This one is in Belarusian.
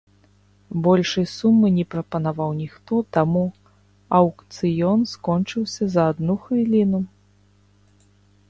Большай сумы не прапанаваў ніхто, таму аўкцыён скончыўся за адну хвіліну.